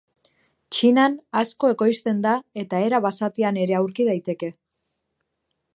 Txinan asko ekoizten da eta era basatian ere aurki daiteke.